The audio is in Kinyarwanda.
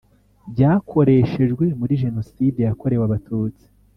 byakoreshejwe muri Jenoside yakorewe Abatutsi